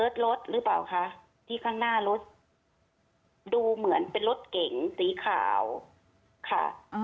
ดูเหมือนเป็นรถเก๋งสีขาวค่ะ